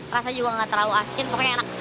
rasa juga gak terlalu asin pokoknya enak